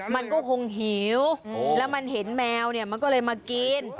มันก็คงหิวแล้วมันเห็นแมวเนี่ยมันก็เลยมากิน